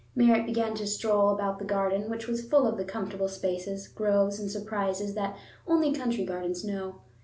Merritt began to stroll about the garden, which was full of the comfortable spaces, groves, and surprises that only country gardens know.